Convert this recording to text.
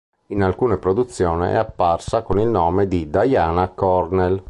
In alcune produzioni è apparsa con il nome di Diana Cornell.